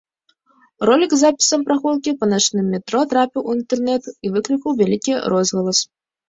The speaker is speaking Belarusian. Ролік з запісам прагулкі па начным метро трапіў у інтэрнэт і выклікаў вялікі розгалас.